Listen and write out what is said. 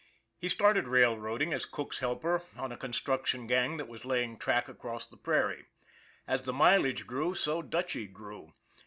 He started railroading as cook's helper on a con struction gang that was laying track across the prairie. As the mileage grew, so Dutchy grew.